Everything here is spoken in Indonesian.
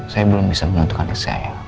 saya belum bisa menentukan hati saya